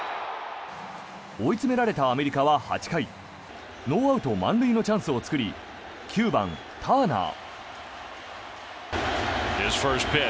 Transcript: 追い詰められたアメリカは８回ノーアウト満塁のチャンスを作り９番、ターナー。